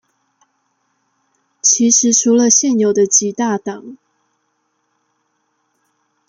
其實除了現有的幾大黨